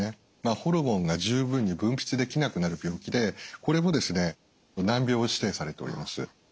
ホルモンが十分に分泌できなくなる病気でこれもですね難病指定されております。